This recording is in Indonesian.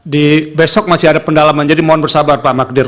di besok masih ada pendalaman jadi mohon bersabar pak magdir